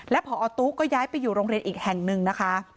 พอตู้ก็ย้ายไปอยู่โรงเรียนอีกแห่งหนึ่งนะคะ